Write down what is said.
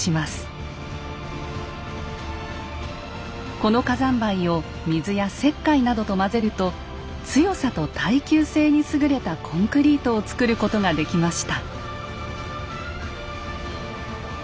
この火山灰を水や石灰などと混ぜると強さと耐久性に優れたコンクリートを作ることができました。